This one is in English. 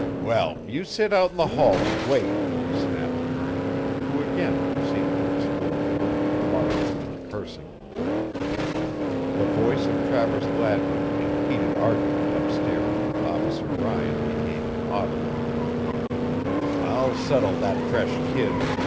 "Well, you sit out in the hall and wait," snapped Kearney, who again proceeded to explore the room, muttering and cursing. The voice of Travers Gladwin in heated argument upstairs with Officer Ryan became audible. "I'll settle that fresh kid!"